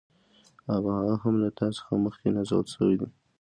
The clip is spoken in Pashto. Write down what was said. او په هغه هم چې له تا څخه مخكي نازل شوي دي